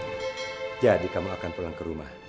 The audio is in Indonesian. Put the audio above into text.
siva jadi kamu akan pulang ke rumah